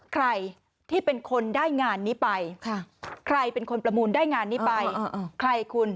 ใครที่เป็นคนได้งานนี้ไปใครเป็นคนประมูลได้งานนี้ไปใครคุณ